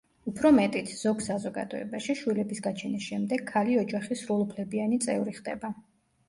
უფრო მეტიც, ზოგ საზოგადოებაში, შვილების გაჩენის შემდეგ, ქალი ოჯახის სრულუფლებიანი წევრი ხდება.